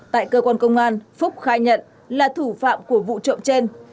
tại cơ quan công an phúc khai nhận là thủ phạm của vụ trộm trên